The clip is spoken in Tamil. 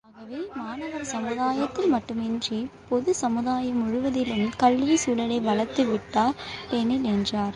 ஆகவே மாணவர் சமுதாயத்தில் மட்டுமின்றி, பொதுச்சமுதாயம் முழுவதிலும் கல்விச் சூழ்நிலையை வளர்த்து விட்டார் லெனின் என்றார்.